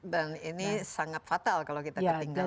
dan ini sangat fatal kalau kita ketinggalan